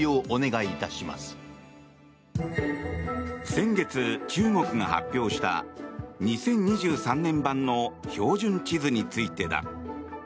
先月、中国が発表した２０２３年版の標準地図についてだ。